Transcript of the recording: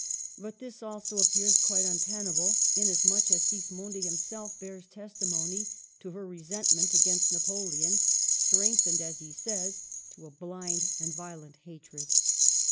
But this also appears quite untenable, inasmuch as Sismondi himself bears testimony to her resent ment against Napoleon, strengthened, as he says, " to a blind and violent hatred."